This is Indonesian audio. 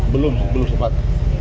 belum belum sempat